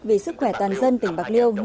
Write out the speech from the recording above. vì sức khỏe toàn dân tỉnh bạc liêu